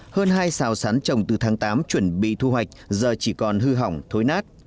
hơn hai xào sắn trồng từ tháng tám chuẩn bị thu hoạch giờ chỉ còn hư hỏng thối nát